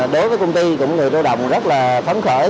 đối với công ty cũng người lao động rất là phấn khởi